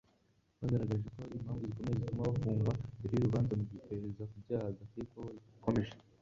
bwagaragaje ko hari impamvu zikomeye zituma bafungwa mbere y’urubanza mu gihe iperereza ku byaha bakekwaho rigikomeje